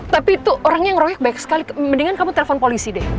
tapi itu orangnya ngeroyok baik sekali mendingan kamu telepon polisi deh